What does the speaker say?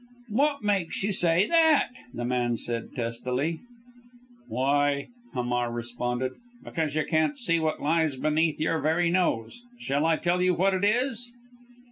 "What makes you say that?" the man said testily. "Why," Hamar responded, "because you can't see what lies beneath your very nose. Shall I tell you what it is?"